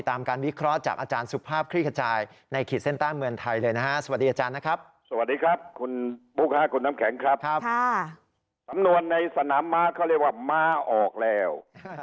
สำนวนในสนามม้าเขาเรียกว่าม้าออกแล้ว